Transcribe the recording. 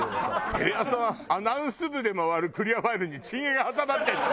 テレ朝はアナウンス部でもクリアファイルにチン毛が挟まってるの？